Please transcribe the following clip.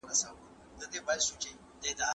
که ته د املا په وخت کي خبرې ونه کړې.